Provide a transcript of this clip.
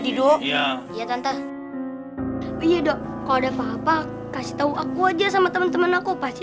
didoa ya tante iya dok kalau ada apa apa kasih tahu aku aja sama temen temen aku pasti